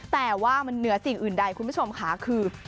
แต่ว่ามันเหนือสิ่งอื่นใดคุณผู้ชมค่ะคือ